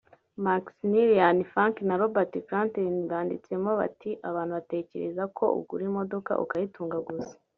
Maximilian Funk na Robert Klanten banditsemo bati “Abantu batekereza ko ugura imodoka ukayitunga gusa